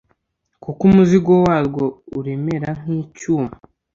kuko umuzigo warwo uremera nk'icyuma